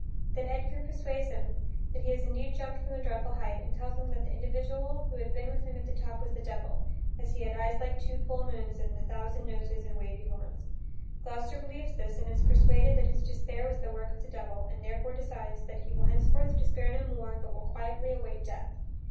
Then Edgar persuades him that he has indeed jumped from the dreadful height and tells him that the individual who had been with him at the top was the devil, as he had eyes like two full moons and a thousand noses and wavy horns. Gloucester believes this, and is persuaded that his despair was the work of the devil, and therefore decides that he will henceforth despair no more, but will quietly await death.